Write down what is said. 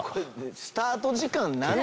スタート時間何時？